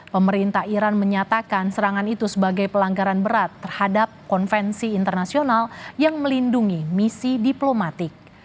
pemerintah iran menyatakan serangan itu sebagai pelanggaran berat terhadap konvensi internasional yang melindungi misi diplomatik